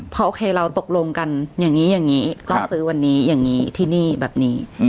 พอโอเคเราตกลงกันอย่างนี้อย่างนี้ก็ซื้อวันนี้อย่างนี้ที่นี่แบบนี้